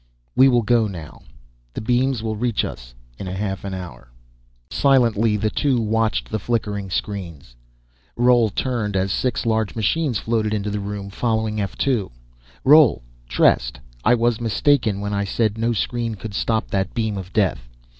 We will go now. The beams will reach us in half an hour." Silently, the two watched the flickering screens. Roal turned, as six large machines floated into the room, following F 2. "Roal Trest I was mistaken when I said no screen could stop that beam of Death.